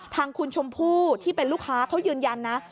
ทางคุณชมพู่ที่เป็นลูกค้าเขายืนยันนะ